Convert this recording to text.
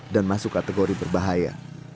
dan masuk kategori berbahaya